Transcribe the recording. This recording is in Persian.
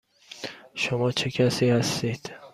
شما چه کسی هستید؟